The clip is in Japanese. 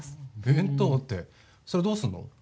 弁当ってそれ、どうすんの？